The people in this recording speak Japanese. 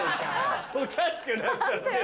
おかしくなっちゃってるよ。